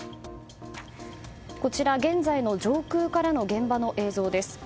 こちら、現在の上空からの現場の映像です。